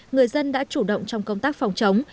người dân đã chủ động trong công tác phòng chống